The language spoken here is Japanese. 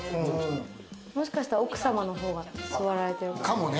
もしかしたら奥様の方が座られてるかもしれない。